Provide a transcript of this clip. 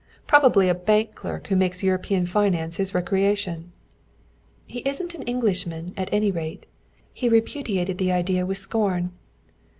Probably a bank clerk who makes European finance his recreation." "He isn't an Englishman, at any rate. He repudiated the idea with scorn."